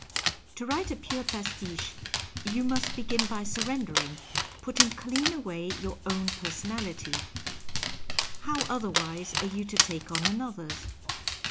To write a pure pastiche you must begin by surrendering, putting clean away your own personality — how otherwise are you to take on another's